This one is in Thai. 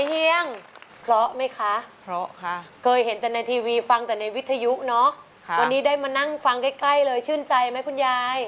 เฮียงเพราะไหมคะเพราะค่ะเคยเห็นแต่ในทีวีฟังแต่ในวิทยุเนาะวันนี้ได้มานั่งฟังใกล้เลยชื่นใจไหมคุณยาย